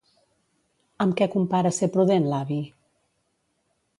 Amb què compara ser prudent l'avi?